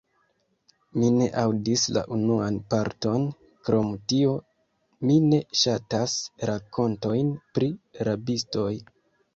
Mi ne aŭdis la unuan parton; krom tio, mi ne ŝatas rakontojn pri rabistoj.